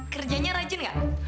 kerjanya rajin nggak